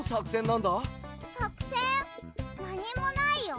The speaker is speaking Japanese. なにもないよ。